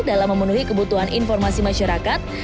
dalam memenuhi kebutuhan informasi masyarakat